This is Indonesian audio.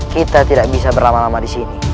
kita tidak bisa berlama lama disini